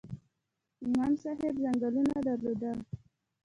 امام صاحب ځنګلونه درلودل؟